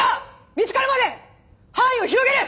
見つかるまで範囲を広げる！